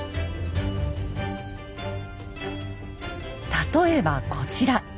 例えばこちら。